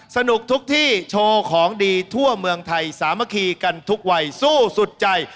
สนุกทุกที่โชว์ของดีทั่วเมืองไทยสามัคคีกันทุกวัยสู้สุดใจ